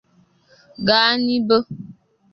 gaa Nibo